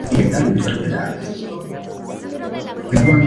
Su verdadero nombre era "Karl Perl", y nació en Viena, Austria.